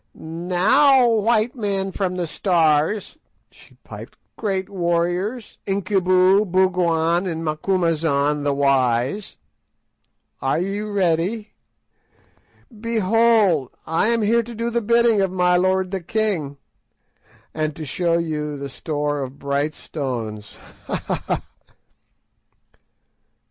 "Now, white men from the Stars," she piped; "great warriors, Incubu, Bougwan, and Macumazahn the wise, are ye ready? Behold, I am here to do the bidding of my lord the king, and to show you the store of bright stones. _Ha! ha! ha!